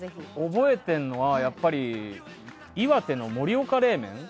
覚えてるのは岩手の盛岡冷麺。